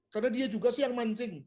karena dia juga sih yang mancing